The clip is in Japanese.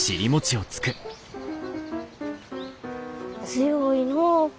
強いのう。